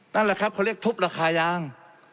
นั่นแหละครับเขาเรียกทุบราคายาง